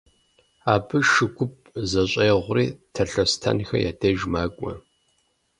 Абы шу гуп зэщӀегъури Талъостэнхэ я деж макӀуэ.